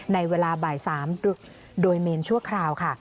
ในเวลาบ่าย๓โดยเมนชั่วคราวค่ะ